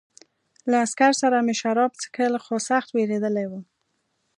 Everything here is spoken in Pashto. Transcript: له عسکر سره مې شراب څښل خو سخت وېرېدلی وم